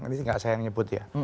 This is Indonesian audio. ini nggak saya yang nyebut ya